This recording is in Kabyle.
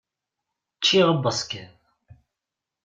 Ččiɣ abaskiḍ.